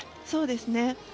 そうですね。